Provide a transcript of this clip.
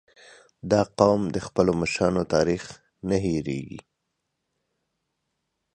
• دا قوم د خپلو مشرانو تاریخ نه هېرېږي.